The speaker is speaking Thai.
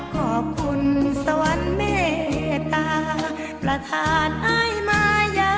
ขอบคุณสวรรค์เมตตาประธานอ้ายมายา